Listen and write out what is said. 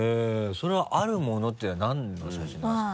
それは「ある物」っていうのは何の写真なんですか？